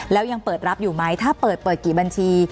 แล้วยังเปิดรับอยู่ไหมถ้าเปิดเปิดกี่บัญชี